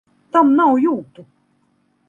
Tam nav jūtu!